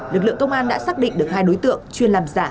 lực lượng công an đã xác định được hai đối tượng